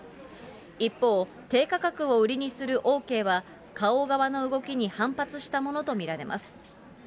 一方、低価格を売りにするオーケーは、花王側の動きに反発したものと見られます。